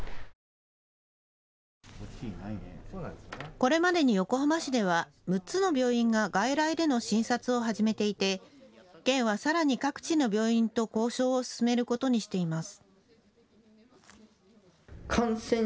これまでに横浜市では６つの病院が外来での診察を始めていて県は、さらに各地の病院と交渉を進めることにしています。